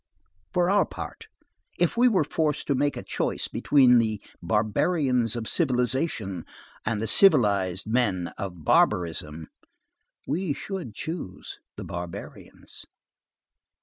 For our part, if we were forced to make a choice between the barbarians of civilization and the civilized men of barbarism, we should choose the barbarians.